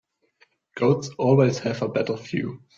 Goats always have a better view.